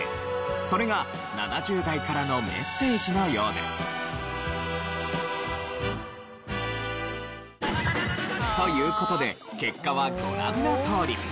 それが７０代からのメッセージのようです。という事で結果はご覧のとおり。